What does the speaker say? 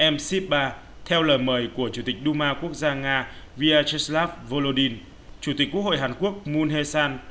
mc ba theo lời mời của chủ tịch đu ma quốc gia nga vyacheslav volodin chủ tịch quốc hội hàn quốc moon hae san